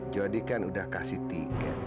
kan udah kasih tiket